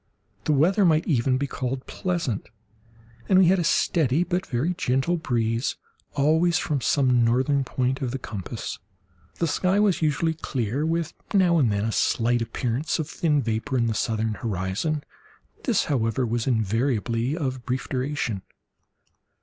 The weather might even be called pleasant, and we had a steady but very gentle breeze always from some northern point of the compass. The sky was usually clear, with now and then a slight appearance of thin vapour in the southern horizon—this, however, was invariably of brief duration.